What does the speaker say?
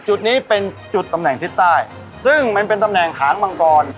จุดนี้เป็นจุดตำแหน่งทิศใต้ซึ่งมันเป็นตำแหน่งหางมังกร